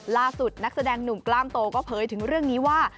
นักแสดงหนุ่มกล้ามโตก็เผยถึงเรื่องนี้ว่า